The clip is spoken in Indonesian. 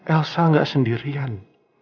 elsa gak sendirian